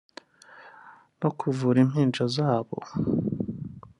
no kuvura impinja zabo